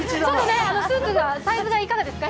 スーツ、サイズはいかがですか？